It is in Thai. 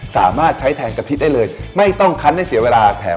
สามารถใช้แทนกะทิได้เลยไม่ต้องคันให้เสียเวลาแถม